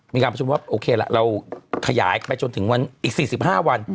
มีการประชุมว่าโอเคละเราขยายไปจนถึงวันอีก๔๕วัน